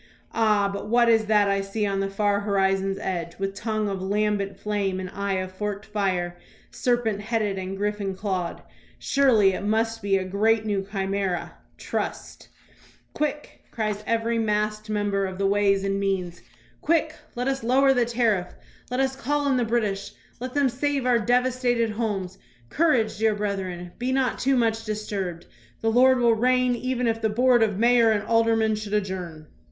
Ah, but what is that I see on the far horizon's edge, with tongue of lambent flame and eye of forked fire, serpent headed and griffin clawed? Surely it must be the great new chimera "Trust." Quick, cries every masked 204 THOMAS BRACKETT REED member of the Ways and Means. Quick, let us lower the tariff. Let us call in the British. Let them save our devastated homes. Courage, dear brethren. Be not too much disturbed. The Lord will reign even if the board of mayor and aldermen should adjourn.